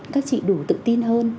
các chị đủ tự tin hơn